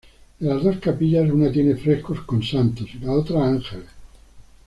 De las dos capillas una tiene frescos con "Santos" y la otra "Ángeles".